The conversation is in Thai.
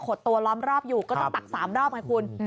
ตัวล้อมรอบอยู่ก็ต้องตัก๓รอบไงคุณ